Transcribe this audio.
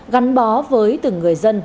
gắn bó với từng người dân